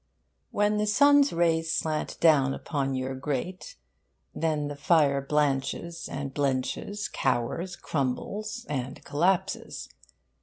When the sun's rays slant down upon your grate, then the fire blanches and blenches, cowers, crumbles, and collapses.